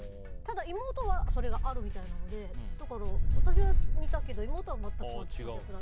ただ、妹はそれがあるみたいなのでだから、私は似たけど妹は全く逆だった。